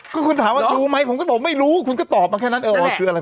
ก็ต้องรู้ไง